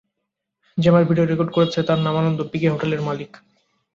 যে আমার video record করেছে, তার নাম আনন্দ, পিকে হোটেলের মালিক।